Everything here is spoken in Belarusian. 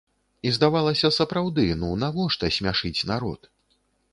І, здавалася, сапраўды, ну навошта смяшыць народ?